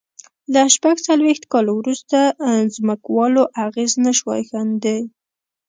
له شپږ څلوېښت کال وروسته ځمکوالو اغېز نه شوای ښندي.